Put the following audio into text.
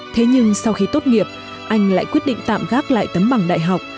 thế nhưng sau khi tốt nghiệp anh lại quyết định tạm gác lại tấm bằng đại học